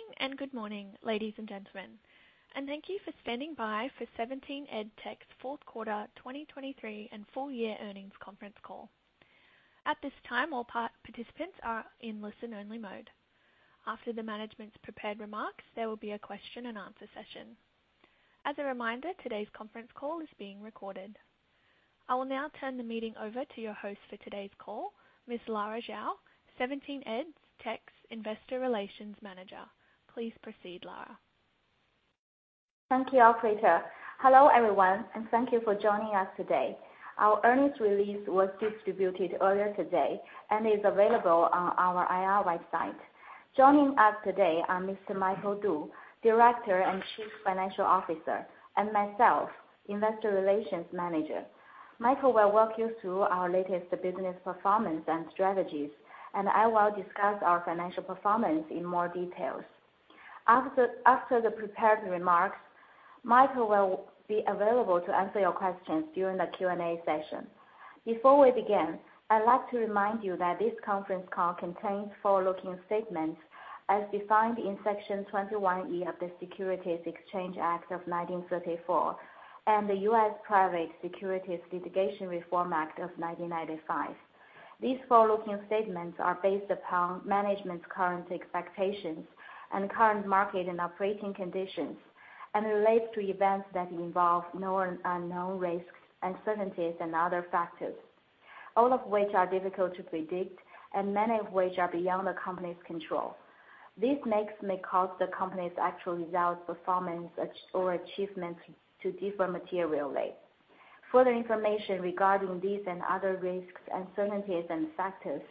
Good evening and good morning, ladies and gentlemen, and thank you for standing by for 17 EdTech's Fourth Quarter 2023 and Full-Year Earnings Conference Call. At this time, all participants are in listen-only mode. After the management's prepared remarks, there will be a question-and-answer session. As a reminder, today's conference call is being recorded. I will now turn the meeting over to your host for today's call, Ms. Lara Zhao, 17 EdTech's Investor Relations Manager. Please proceed, Lara. Thank you, Operator. Hello, everyone, and thank you for joining us today. Our earnings release was distributed earlier today and is available on our IR website. Joining us today are Mr. Michael Du, Director and Chief Financial Officer, and myself, Investor Relations Manager. Michael will walk you through our latest business performance and strategies, and I will discuss our financial performance in more details. After the prepared remarks, Michael will be available to answer your questions during the Q&A session. Before we begin, I'd like to remind you that this conference call contains forward-looking statements as defined in Section 21E of the Securities Exchange Act of 1934 and the U.S. Private Securities Litigation Reform Act of 1995. These forward-looking statements are based upon management's current expectations and current market and operating conditions, and relate to events that involve known risks, uncertainties, and other factors, all of which are difficult to predict and many of which are beyond the company's control. This may cause the company's actual results, performance, or achievements to differ materially. Further information regarding these and other risks, uncertainties, and factors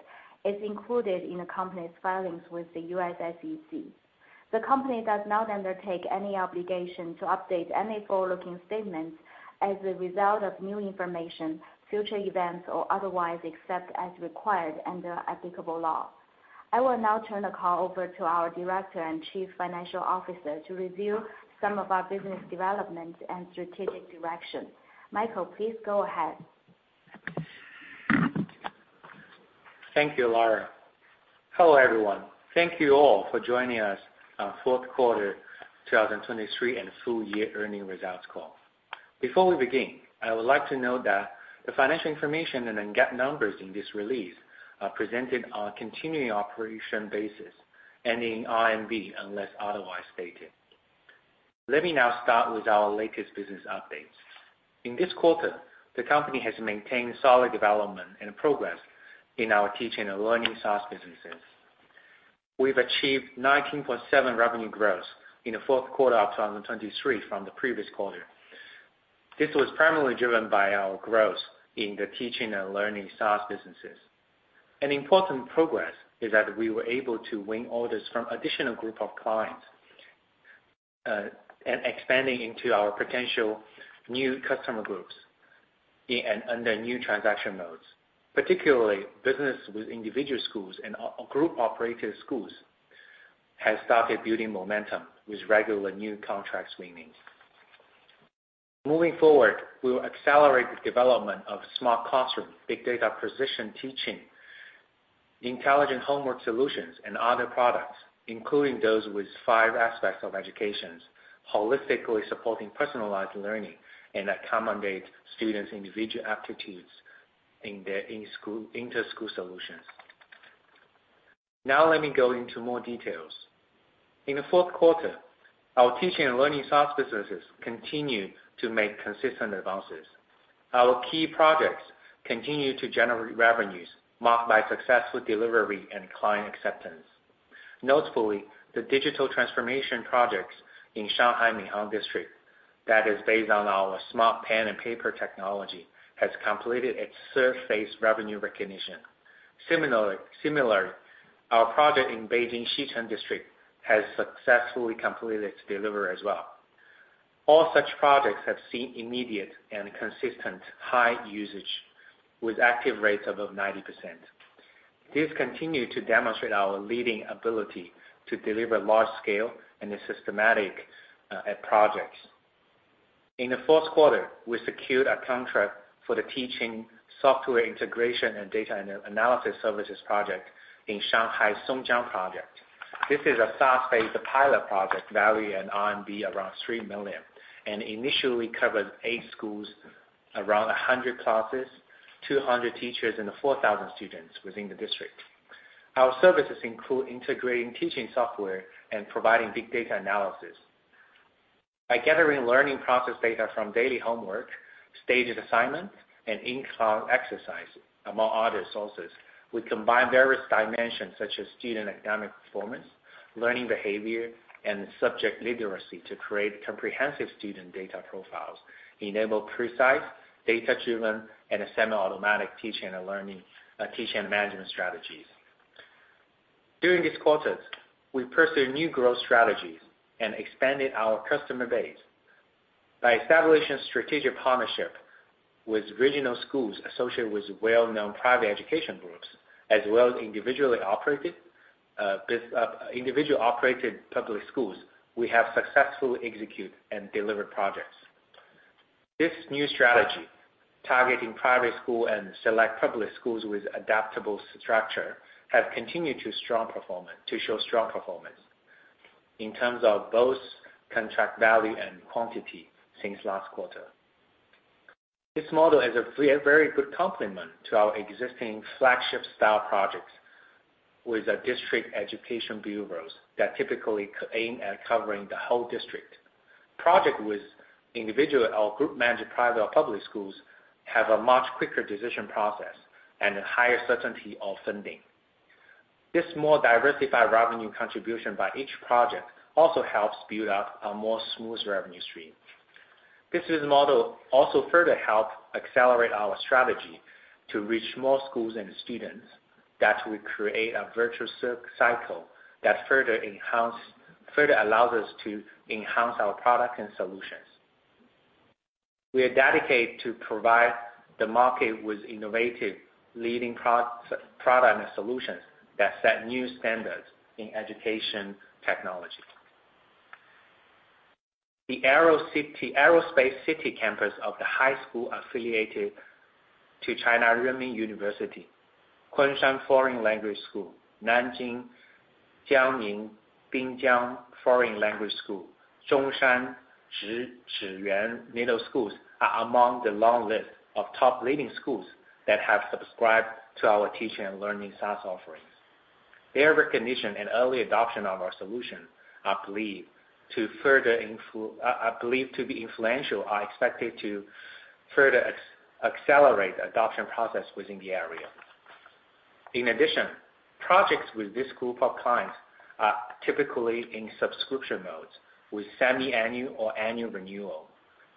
is included in the company's filings with the U.S. SEC. The company does not undertake any obligation to update any forward-looking statements as a result of new information, future events, or otherwise except as required under applicable law. I will now turn the call over to our Director and Chief Financial Officer to review some of our business development and strategic direction. Michael, please go ahead. Thank you, Lara. Hello, everyone. Thank you all for joining us on our fourth quarter 2023 and full-year earnings results call. Before we begin, I would like to note that the financial information and the GAAP numbers in this release are presented on a continuing operations basis and in RMB unless otherwise stated. Let me now start with our latest business updates. In this quarter, the company has maintained solid development and progress in our teaching and learning SaaS businesses. We've achieved 19.7% revenue growth in the fourth quarter of 2023 from the previous quarter. This was primarily driven by our growth in the teaching and learning SaaS businesses. An important progress is that we were able to win orders from an additional group of clients and expand into our potential new customer groups under new transaction modes. Particularly, businesses with individual schools and group-operated schools have started building momentum with regular new contracts winning. Moving forward, we will accelerate the development of smart classroom, big data precision teaching, intelligent homework solutions, and other products, including those with five aspects of education, holistically supporting personalized learning and accommodating students' individual aptitudes in their inter-school solutions. Now let me go into more details. In the fourth quarter, our teaching and learning SaaS businesses continue to make consistent advances. Our key projects continue to generate revenues marked by successful delivery and client acceptance. Notably, the digital transformation projects in Shanghai Minhang District that is based on our smart pen and paper technology have completed its service revenue recognition. Similarly, our project in Beijing Xicheng District has successfully completed its delivery as well. All such projects have seen immediate and consistent high usage with active rates above 90%. This continues to demonstrate our leading ability to deliver large-scale and systematic projects. In the fourth quarter, we secured a contract for the teaching software integration and data analysis services project in Shanghai's Songjiang District. This is a SaaS-based pilot project valued at RMB around 3 million and initially covers eight schools, around 100 classes, 200 teachers, and 4,000 students within the district. Our services include integrating teaching software and providing big data analysis. By gathering learning process data from daily homework, staged assignments, and in-cloud exercises, among other sources, we combine various dimensions such as student academic performance, learning behavior, and subject literacy to create comprehensive student data profiles, enable precise, data-driven, and semi-automatic teaching and management strategies. During these quarters, we pursued new growth strategies and expanded our customer base. By establishing strategic partnerships with regional schools associated with well-known private education groups as well as individually operated public schools, we have successfully executed and delivered projects. This new strategy, targeting private schools and select public schools with adaptable structure, has continued to show strong performance in terms of both contract value and quantity since last quarter. This model is a very good complement to our existing flagship-style projects with district education bureaus that typically aim at covering the whole district. Projects with individual or group-managed private or public schools have a much quicker decision process and a higher certainty of funding. This more diversified revenue contribution by each project also helps build up a more smooth revenue stream. This model also further helps accelerate our strategy to reach more schools and students, that we create a virtuous cycle that further allows us to enhance our products and solutions. We are dedicated to provide the market with innovative leading products and solutions that set new standards in education technology. The Aerospace City campus of The High School Affiliated to Renmin University of China, Kunshan Foreign Language School, Nanjing Jiangning Binjiang Foreign Language School, Zhongshan Zhiyuan Middle School are among the long list of top leading schools that have subscribed to our teaching and learning SaaS offerings. Their recognition and early adoption of our solutions, I believe, to be influential are expected to further accelerate the adoption process within the area. In addition, projects with this group of clients are typically in subscription modes with semi-annual or annual renewal.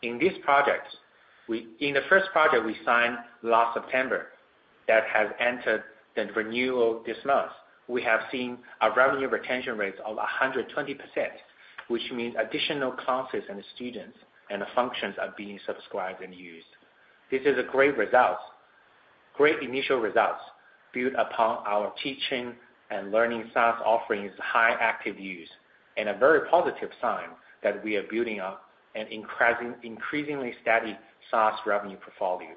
In the first project we signed last September that has entered the renewal this month, we have seen a revenue retention rate of 120%, which means additional classes and students and functions are being subscribed and used. This is a great initial result built upon our teaching and learning SaaS offerings' high active use and a very positive sign that we are building up an increasingly steady SaaS revenue portfolio.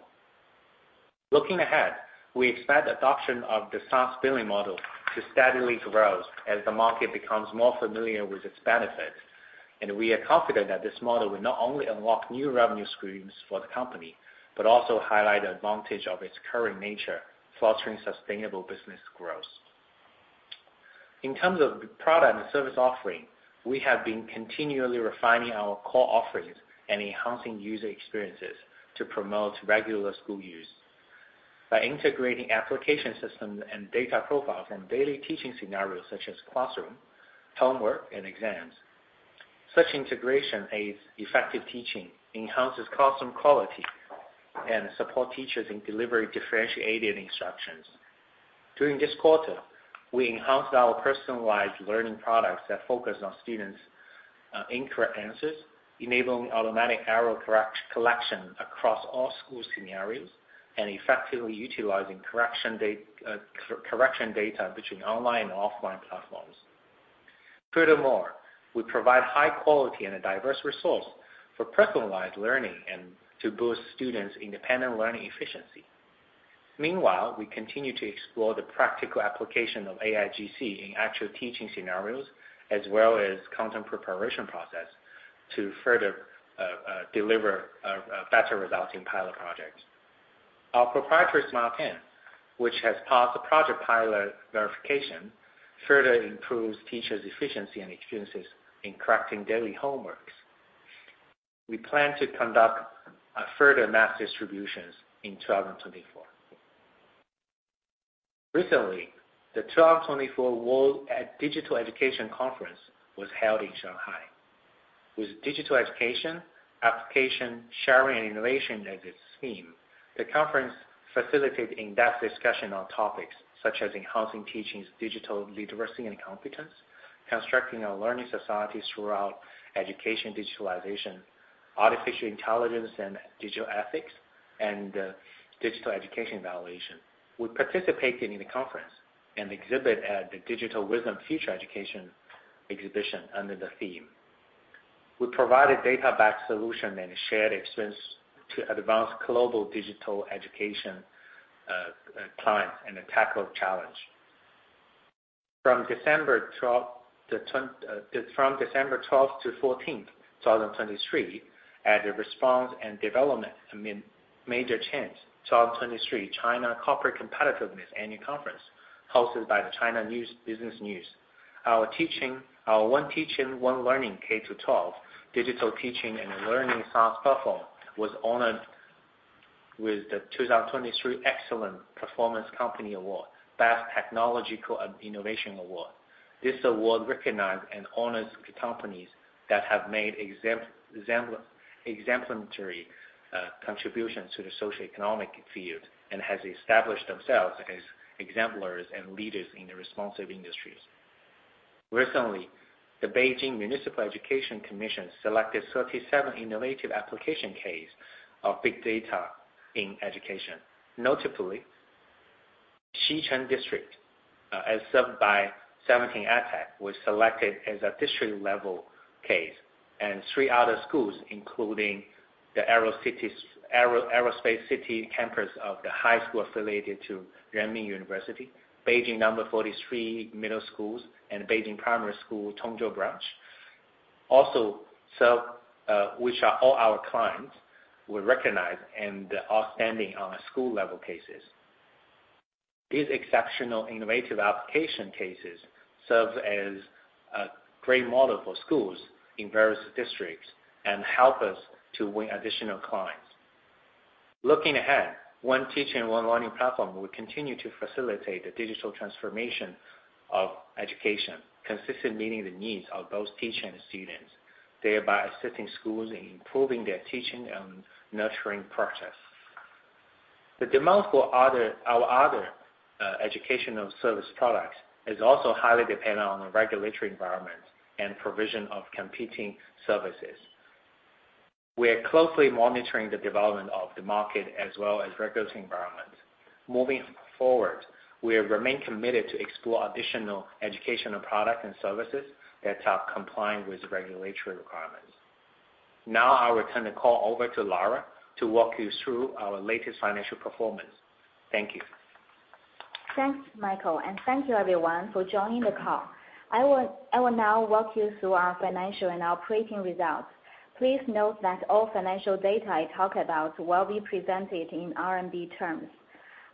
Looking ahead, we expect adoption of the SaaS billing model to steadily grow as the market becomes more familiar with its benefits, and we are confident that this model will not only unlock new revenue streams for the company but also highlight the advantage of its current nature fostering sustainable business growth. In terms of product and service offering, we have been continually refining our core offerings and enhancing user experiences to promote regular school use by integrating application systems and data profiles from daily teaching scenarios such as classroom, homework, and exams. Such integration aids effective teaching, enhances classroom quality, and supports teachers in delivering differentiated instructions. During this quarter, we enhanced our personalized learning products that focus on students' incorrect answers, enabling automatic error collection across all school scenarios and effectively utilizing correction data between online and offline platforms. Furthermore, we provide high-quality and a diverse resource for personalized learning and to boost students' independent learning efficiency. Meanwhile, we continue to explore the practical application of AIGC in actual teaching scenarios as well as content preparation processes to further deliver better results in pilot projects. Our proprietary Smart Pen, which has passed the project pilot verification, further improves teachers' efficiency and experiences in correcting daily homework. We plan to conduct further mass distributions in 2024. Recently, the 2024 World Digital Education Conference was held in Shanghai. With digital education, application sharing, and innovation as its theme, the conference facilitated in-depth discussion on topics such as enancing teaching digital literacy and competence, constructing a learning society throughout education digitalization, artificial intelligence and digital ethics, and digital education evaluation. We participated in the conference and exhibited at the Digital Wisdom Future Education exhibition under the theme. We provided data-backed solutions and shared experience to advance global digital education clients in the tackle of challenges. From December 12th to 14th, 2023, at the Response and Development Major Change 2023 China Corporate Competitiveness Annual Conference hosted by the China Business News, our One Teaching, One Learning K-12 Digital Teaching and Learning SaaS Platform was honored with the 2023 Excellent Performance Company Award, Best Technological Innovation Award. This award recognizes and honors companies that have made exemplary contributions to the socioeconomic field and have established themselves as exemplars and leaders in the responsive industries. Recently, the Beijing Municipal Education Commission selected 37 innovative application cases of big data in education. Notably, Xicheng District, as served by 17 EdTech, was selected as a district-level case, and three other schools, including the Aerospace City campus of the high school affiliated to Renmin University, Beijing No. 43 Middle School, and Beijing Primary School Tongzhou Branch, which are all our clients, were recognized and outstanding on our school-level cases. These exceptional innovative application cases serve as a great model for schools in various districts and help us to win additional clients. Looking ahead, One Teaching, One Learning Platform will continue to facilitate the digital transformation of education, consistently meeting the needs of both teachers and students, thereby assisting schools in improving their teaching and nurturing practice. The demand for our other educational service products is also highly dependent on the regulatory environment and provision of competing services. We are closely monitoring the development of the market as well as regulatory environments. Moving forward, we remain committed to exploring additional educational products and services that are compliant with regulatory requirements. Now I will turn the call over to Lara to walk you through our latest financial performance. Thank you. Thanks, Michael, and thank you, everyone, for joining the call. I will now walk you through our financial and operating results. Please note that all financial data I talk about will be presented in RMB terms.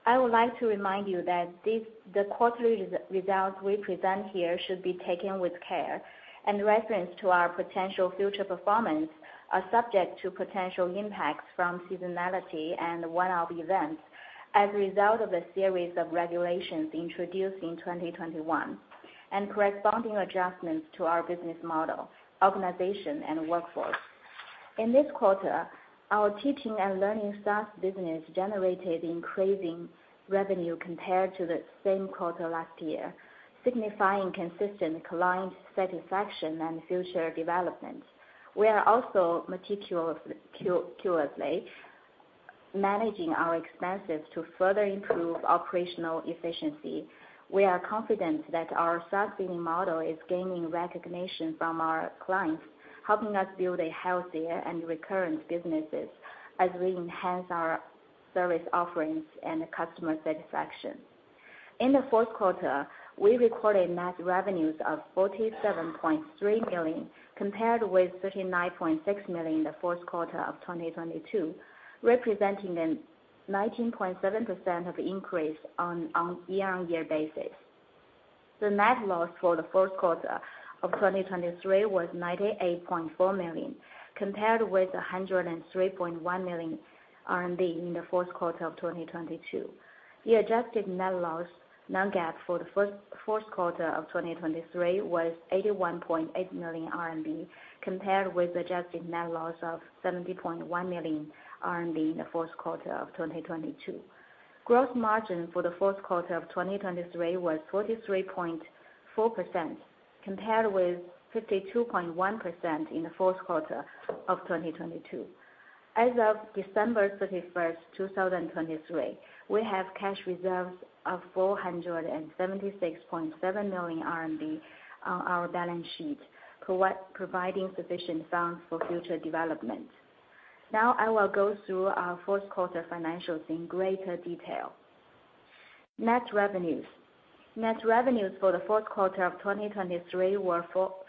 I would like to remind you that the quarterly results we present here should be taken with care, and references to our potential future performance are subject to potential impacts from seasonality and one-off events as a result of a series of regulations introduced in 2021 and corresponding adjustments to our business model, organization, and workforce. In this quarter, our teaching and learning SaaS business generated increasing revenue compared to the same quarter last year, signifying consistent client satisfaction and future development. We are also meticulously managing our expenses to further improve operational efficiency. We are confident that our SaaS billing model is gaining recognition from our clients, helping us build healthier and recurrent businesses as we enhance our service offerings and customer satisfaction. In the fourth quarter, we recorded net revenues of 47.3 million compared with 39.6 million in the fourth quarter of 2022, representing a 19.7% increase on a year-over-year basis. The net loss for the fourth quarter of 2023 was 98.4 million compared with 103.1 million RMB in the fourth quarter of 2022. The adjusted net loss non-GAAP for the fourth quarter of 2023 was 81.8 million RMB compared with the adjusted net loss of 70.1 million RMB in the fourth quarter of 2022. Gross margin for the fourth quarter of 2023 was 43.4% compared with 52.1% in the fourth quarter of 2022. As of December 31st, 2023, we have cash reserves of 476.7 million RMB on our balance sheet, providing sufficient funds for future development. Now I will go through our fourth quarter financials in greater detail. Net revenues. Net revenues for the fourth quarter of 2023 were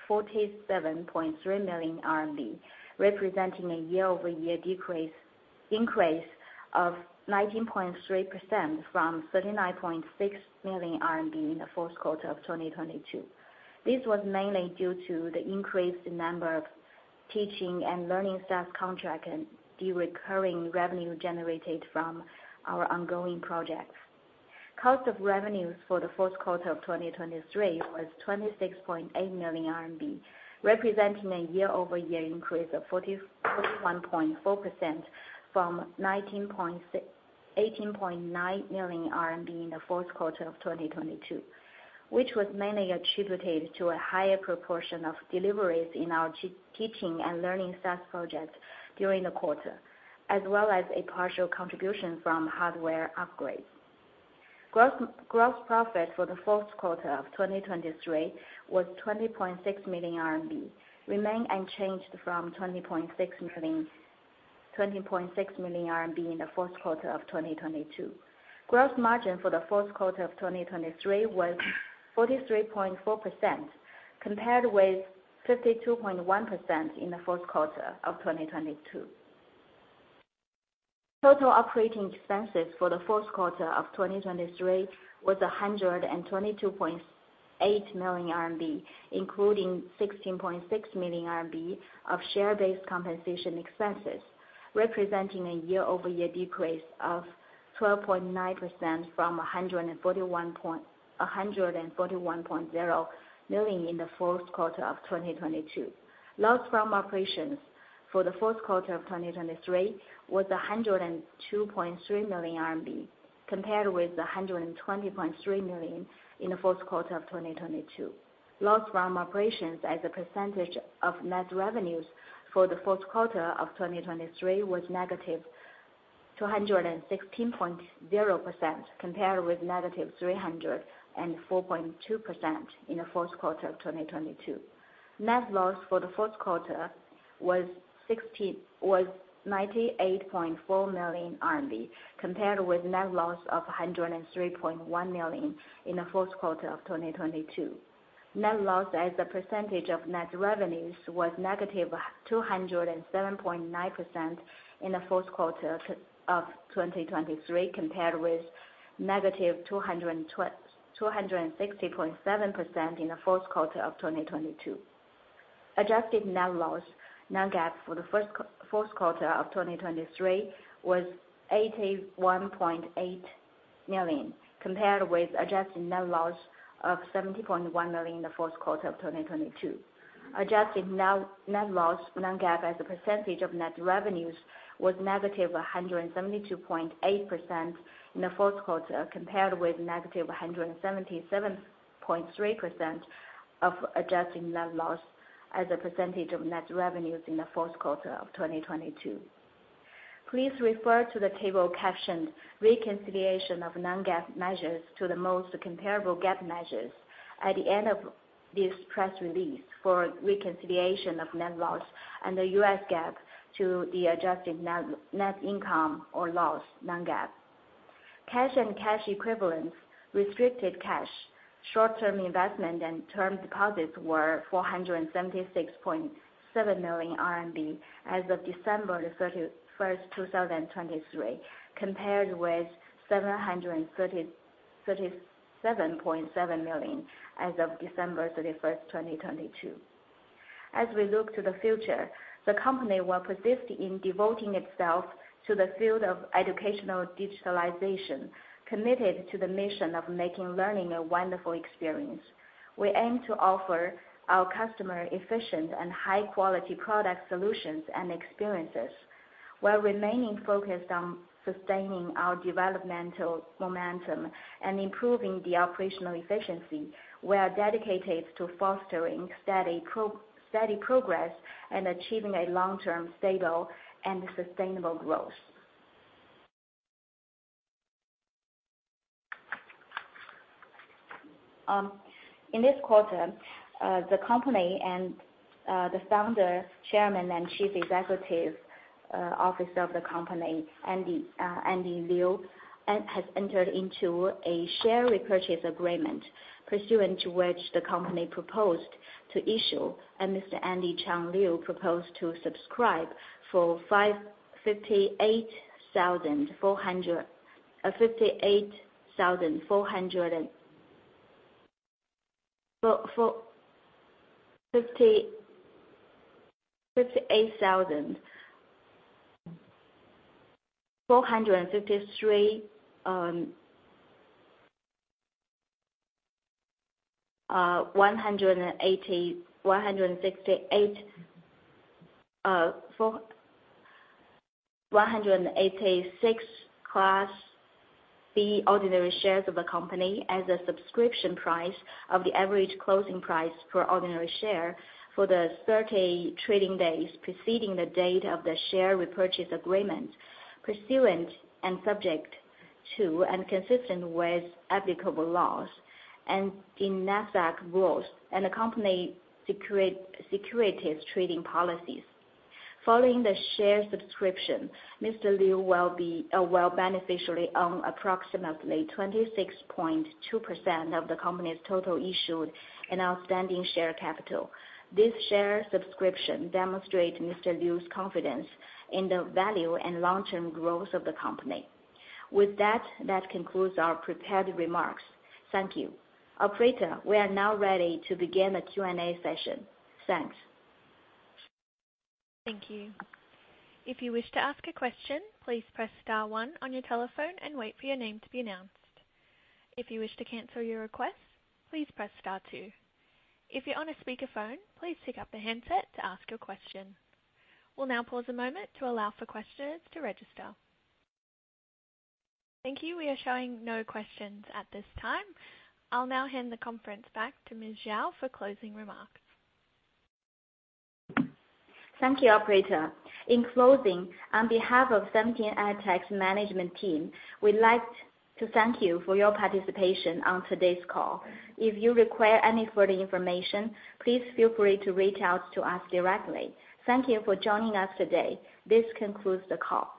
47.3 million RMB, representing a year-over-year increase of 19.3% from 39.6 million RMB in the fourth quarter of 2022. This was mainly due to the increased number of teaching and learning SaaS contracts and the recurring revenue generated from our ongoing projects. Cost of revenues for the fourth quarter of 2023 was 26.8 million RMB, representing a year-over-year increase of 41.4% from 18.9 million RMB in the fourth quarter of 2022, which was mainly attributed to a higher proportion of deliveries in our teaching and learning SaaS projects during the quarter, as well as a partial contribution from hardware upgrades. Gross profit for the fourth quarter of 2023 was 20.6 million RMB, remained unchanged from 20.6 million in the fourth quarter of 2022. Gross margin for the fourth quarter of 2023 was 43.4% compared with 52.1% in the fourth quarter of 2022. Total operating expenses for the fourth quarter of 2023 was 122.8 million RMB, including 16.6 million RMB of share-based compensation expenses, representing a year-over-year decrease of 12.9% from 141.0 million in the fourth quarter of 2022. Loss from operations for the fourth quarter of 2023 was 102.3 million RMB compared with 120.3 million in the fourth quarter of 2022. Loss from operations as a percentage of net revenues for the fourth quarter of 2023 was -216.0% compared with -304.2% in the fourth quarter of 2022. Net loss for the fourth quarter was 98.4 million RMB compared with net loss of 103.1 million in the fourth quarter of 2022. Net loss as a percentage of net revenues was negative 207.9% in the fourth quarter of 2023 compared with negative 260.7% in the fourth quarter of 2022. Adjusted net loss non-GAAP for the fourth quarter of 2023 was 81.8 million compared with adjusted net loss of 70.1 million in the fourth quarter of 2022. Adjusted net loss non-GAAP as a percentage of net revenues was negative 172.8% in the fourth quarter compared with negative 177.3% of adjusted net loss as a percentage of net revenues in the fourth quarter of 2022. Please refer to the table captioned "Reconciliation of Non-GAAP Measures to the Most Comparable GAAP Measures" at the end of this press release for reconciliation of net loss and the U.S. GAAP to the adjusted net income or loss non-GAAP. Cash and cash equivalents, restricted cash, short-term investment, and term deposits were 476.7 million RMB as of December 31st, 2023, compared with 737.7 million as of December 31st, 2022. As we look to the future, the company will persist in devoting itself to the field of educational digitalization, committed to the mission of making learning a wonderful experience. We aim to offer our customers efficient and high-quality product solutions and experiences. While remaining focused on sustaining our developmental momentum and improving the operational efficiency, we are dedicated to fostering steady progress and achieving a long-term stable and sustainable growth. In this quarter, the company and the Founder, Chairman, and Chief Executive Officer of the company, Andy Chang Liu, has entered into a share repurchase agreement pursuant to which the company proposed to issue, and Mr. Andy Chang Liu proposed to subscribe for 58,400,166 Class B ordinary shares of the company at a subscription price of the average closing price per ordinary share for the 30 trading days preceding the date of the share repurchase agreement, pursuant and subject to and consistent with applicable laws and the Nasdaq rules and the company's securities trading policies. Following the share subscription, Mr. Liu will beneficially own approximately 26.2% of the company's total issued and outstanding share capital. This share subscription demonstrates Mr. Liu's confidence in the value and long-term growth of the company. With that, that concludes our prepared remarks. Thank you. Operator, we are now ready to begin the Q&A session. Thanks. Thank you. If you wish to ask a question, please press star one on your telephone and wait for your name to be announced. If you wish to cancel your request, please press star two. If you're on a speakerphone, please pick up the handset to ask your question. We'll now pause a moment to allow for questions to register. Thank you. We are showing no questions at this time. I'll now hand the conference back to Ms. Zhao for closing remarks. Thank you, Operator. In closing, on behalf of 17 EdTech's management team, we'd like to thank you for your participation on today's call. If you require any further information, please feel free to reach out to us directly. Thank you for joining us today. This concludes the call.